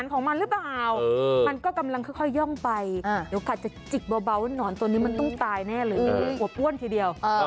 โปรดติดตามตอนต่อไป